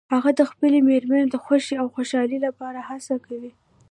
هغه د خپلې مېرمنې د خوښې او خوشحالۍ لپاره هڅه کوي